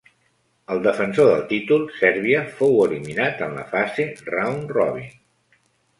El defensor del títol, Sèrbia, fou eliminat en la fase Round Robin.